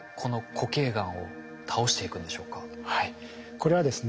これはですね